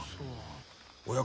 親方